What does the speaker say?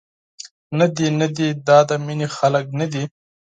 ندي، ندي دا د مینې خلک ندي.